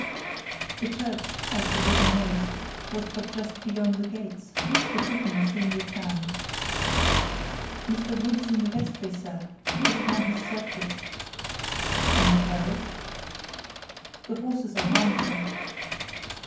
The church, as the reader knows, was but just beyond the gates; the footman soon returned. "Mr. Wood is in the vestry, sir, putting on his surplice." "And the carriage?" "The horses are harnessing."